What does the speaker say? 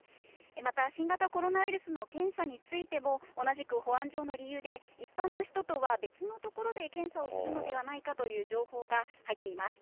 また新型コロナウイルスの検査についても、同じく保安上の理由で、一般の人とは別の所で検査をするのではないかという情報が入っています。